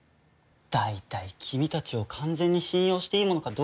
大体君たちを完全に信用していいものかどうか。